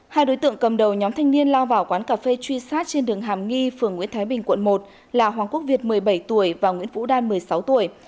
hai đối tượng cầm đầu nhóm thanh niên lao vào quán cà phê truy sát trên đường hàm nghi phường nguyễn thái bình quận một là hoàng quốc việt một mươi bảy tuổi và nguyễn vũ đan một mươi sáu tuổi